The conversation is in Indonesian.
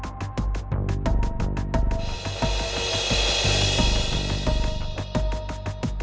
udah berapa lama kita keminaaaaaaal finalement